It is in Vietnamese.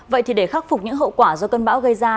vậy thì để khắc phục những hậu quả do cơn bão gây ra